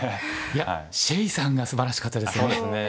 いや謝さんがすばらしかったですね。